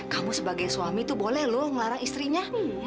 kamu sebagai suami tuh boleh loh ngelarang istrinya